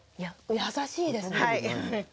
優しいですね。